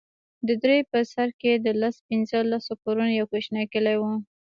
د درې په سر کښې د لس پينځه لسو کورونو يو کوچنى کلى و.